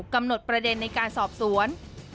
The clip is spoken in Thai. กำหนดประเด็นในการสอบสวน